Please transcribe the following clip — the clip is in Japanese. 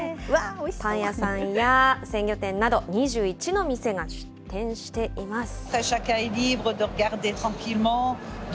パン屋さんや鮮魚店など、２１の店が出店しています。